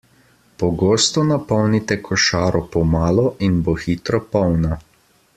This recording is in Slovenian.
Pogosto napolnite košaro po malo in bo hitro polna.